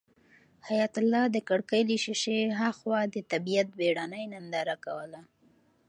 حیات الله د کړکۍ له شیشې هاخوا د طبیعت بېړنۍ ننداره کوله.